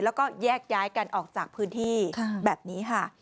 แล้วก็แยกย้ายกันออกจากพื้นที่แบบนี้ค่ะ